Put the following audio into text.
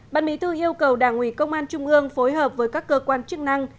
ban bí thư yêu cầu đảng ủy công an trung ương phối hợp với các cơ quan chức năng